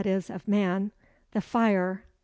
_ of man] the fire [_i.